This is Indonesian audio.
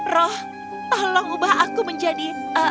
roh tolong ubah aku menjadi